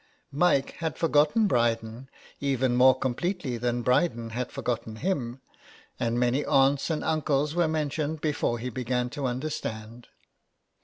Mike had forgotten Bryden even more completely than Bryden had forgotten him, and many aunts and uncles were mentioned before he began to under stand.